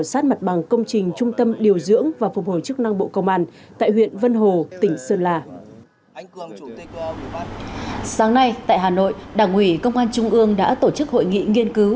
sáng nay tại hà nội đảng ủy công an trung ương đã tổ chức hội nghị nghiên cứu